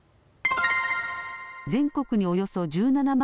全国におよそ１７万